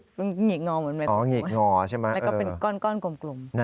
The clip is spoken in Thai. คือหงีกงอเหมือนมายโกงไหมครับแล้วก็เป็นก้อนกลมอ๋อหงีกงอใช่ไหม